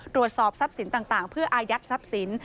ตรวจสอบทรัพย์สินต่างเพื่ออายัดทรัพย์สิน